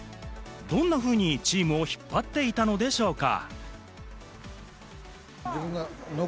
どんなふうにチームを引っ張っていたのでしょうか？